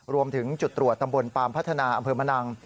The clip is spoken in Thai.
รวมถึงจุดตรวจตำบลปามพัฒนาอำเภอมะนัง